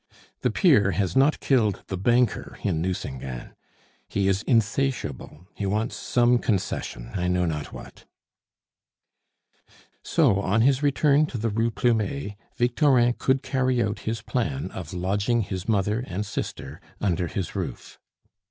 The peer has not killed the banker in Nucingen; he is insatiable; he wants some concession. I know not what " So on his return to the Rue Plumet, Victorin could carry out his plan of lodging his mother and sister under his roof.